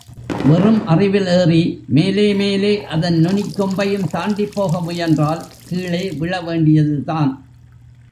வெறும் அறிவில் ஏறி மேலே மேலே அதன் நுனிக் கொம்பையும் தாண்டிப் போக முயன்றால் கீழே விழ வேண்டியதுதான்.